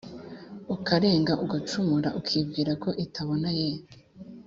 ukarenga ugacumura ukibwira ko itabona ye